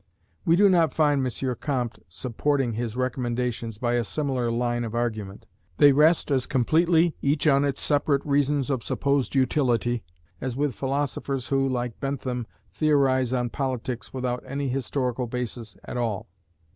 We do not find M. Comte supporting his recommendations by a similar line of argument. They rest as completely, each on its separate reasons of supposed utility, as with philosophers who, like Bentham, theorize on politics without any historical basis at all.